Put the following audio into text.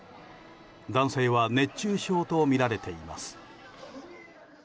男性は熱中症とみられています。